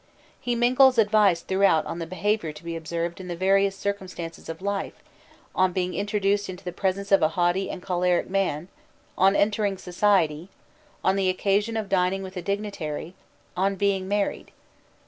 He mingles advice throughout on the behaviour to be observed in the various circumstances of life, on being introduced into the presence of a haughty and choleric man, on entering society, on the occasion of dining with a dignitary, on being married.